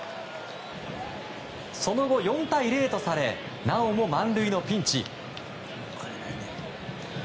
その後、４対０とされなおも満塁のピンチ。